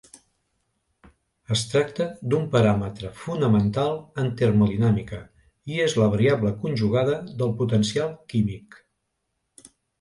Es tracta d'un paràmetre fonamental en termodinàmica, i és la variable conjugada del potencial químic.